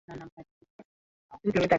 kwa mfano nenda kwenye mashamba mbalimbali